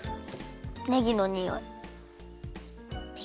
ねぎのにおい。